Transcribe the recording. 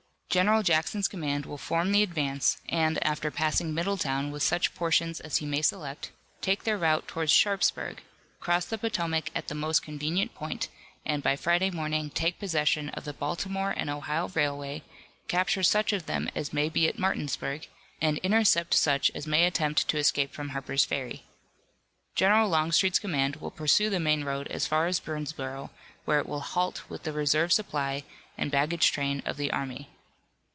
General Jackson's command will form the advance, and after passing Middletown with such portions as he may select, take their route toward Sharpsburg, cross the Potomac at the most convenient point and by Friday morning take possession of the Baltimore and Ohio Railway, capture such of them as may be at Martinsburg, and intercept such as may attempt to escape from Harper's Ferry. General Longstreet's command will pursue the main road as far as Boonsborough, where it will halt with the reserve supply and baggage train of the army.